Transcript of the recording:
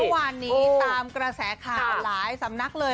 ว่านี้ตามกระแสขายมาหลายสำนักเลย